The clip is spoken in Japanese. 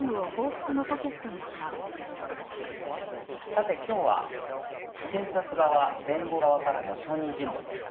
さて今日は検察側弁護側からの証人尋問でした。